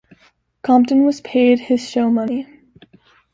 Compton was paid his show money.